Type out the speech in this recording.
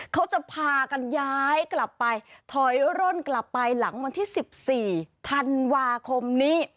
เขาจะพากันย้ายกลับไปถอยร่นกลับไปหลังวันที่๑๔ธันวาคมนี้